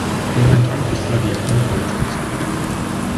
He went on to study at New College, Oxford.